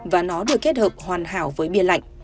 và nó được kết hợp hoàn hảo với bia lạnh